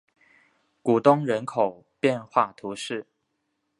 古东人口变化图示